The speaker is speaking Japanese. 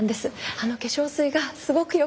あの化粧水がすごくよくて。